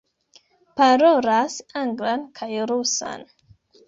Parolas anglan kaj rusan.